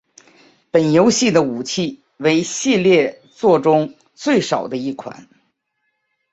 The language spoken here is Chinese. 本游戏的武器为系列作中最少的一款。